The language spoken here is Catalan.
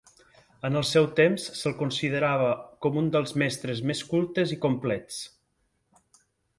En el seu temps se'l considerava com un dels mestres més cultes i complets.